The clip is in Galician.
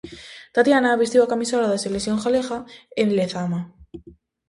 Tatiana vestiu a camisola da selección galega en Lezama.